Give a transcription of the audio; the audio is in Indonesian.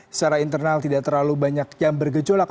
secara internal tidak terlalu banyak yang bergejolak